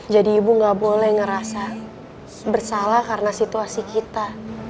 jadi ibu gak boleh ngerasa bersalah karena situasi kita